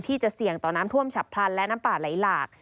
ที่จะเสี่ยงต่อน้ำท่วมฉับพลันและน้ำป่าไหลหลาก